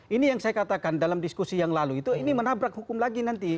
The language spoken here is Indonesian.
ini yang saya katakan dalam diskusi yang lalu itu ini menabrak hukum lagi nanti